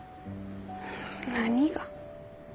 何が。